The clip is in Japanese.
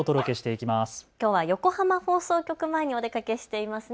きょうは横浜放送局前にお出かけしていますね。